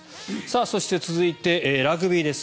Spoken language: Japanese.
そして、続いてラグビーです。